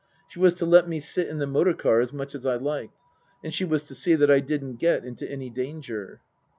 She was to let me sit in the motor car as much as I liked ; and she was to see that I didn't get into any danger.